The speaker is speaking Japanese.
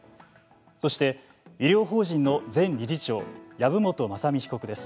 そして医療法人の前理事長籔本雅巳被告です。